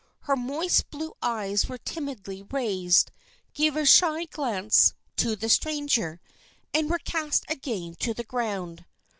Her moist blue eyes were timidly raised, gave a shy glance at the stranger, and were cast again to the ground.